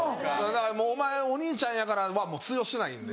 だから「お前お兄ちゃんやから」はもう通用しないんで。